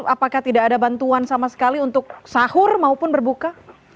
apakah tidak ada bantuan sama sekali untuk sahur maupun berbuka